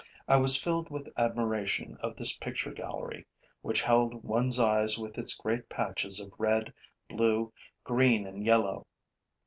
I was filled with admiration of this picture gallery, which held one's eyes with its great patches of red, blue, green and yellow.